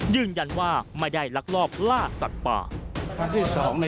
ยืนยันว่าไม่ได้ลักลอบล่าสัตว์ป่า